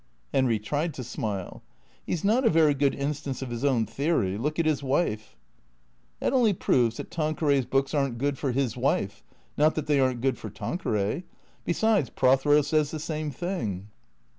Henry tried to smile. " He 's not a very good instance of his own theory. Look at his wife." " That only proves that Tanqueray's books are n't good for his wife. Not that they are n't good for Tanqueray. Besides, Prothero says the same thing."